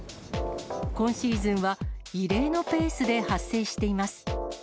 今シーズンは異例のペースで発生しています。